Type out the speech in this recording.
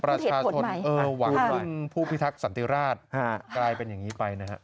ประชาชนหวังผู้พิทักษันติราชกลายเป็นอย่างนี้ไปนะฮะ